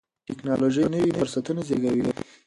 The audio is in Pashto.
ټیکنالوژي نوي فرصتونه زیږوي.